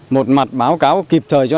một mặt báo cáo kịp thời cho